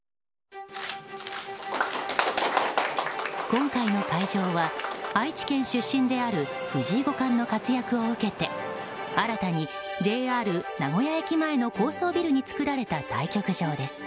今回の会場は愛知県出身である藤井五段の活躍を受けて新たにＪＲ名古屋駅前の高層ビルに作られた対局場です。